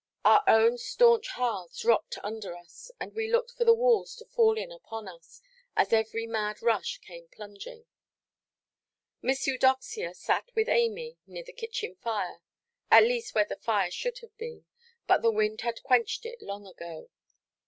Our own staunch hearths rocked under us, and we looked for the walls to fall in upon us, as every mad rush came plunging. Miss Eudoxia sat with Amy, near the kitchen fire; at least where the fire should have been, but the wind had quenched it long ago.